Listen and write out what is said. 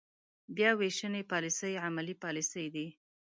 بیا وېشنې پاليسۍ عملي پاليسۍ دي.